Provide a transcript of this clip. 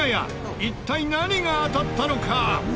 一体何が当たったのか？